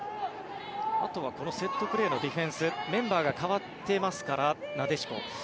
あとはこのセットプレーのディフェンスメンバーが代わってますからなでしこ。